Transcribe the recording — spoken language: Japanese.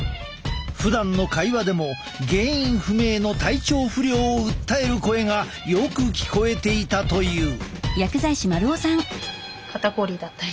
ふだんの会話でも原因不明の体調不良を訴える声がよく聞こえていたという。